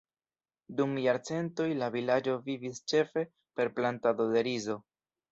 Dum jarcentoj, la vilaĝo vivis ĉefe per plantado de rizo.